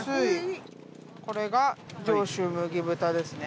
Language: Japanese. これが上州麦豚ですね。